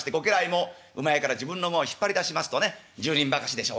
もうまやから自分の馬を引っ張り出しますとね１０人ばかしでしょうか